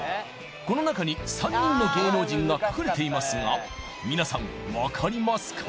この中に３人の芸能人が隠れていますがみなさん分かりますか？